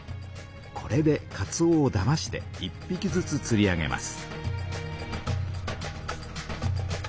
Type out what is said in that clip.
これでかつおをだまして１ぴきずつつり上げます。